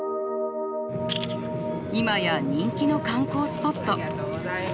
今や人気の観光スポット。